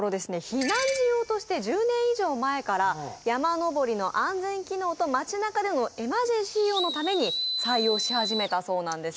避難時用として１０年以上前から山登りの安全機能と街なかでのエマージェンシー用のために採用し始めたそうなんです